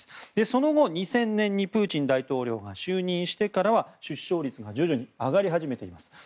その後、２０００年にプーチン大統領が就任してからは出生率が徐々に上がり始めています。